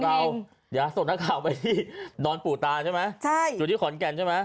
เดี๋ยวส่งหน้าข่าวไปที่อนปู่ตาใช่มั้ยอยู่ที่ขอนแก่นใช่มั้ย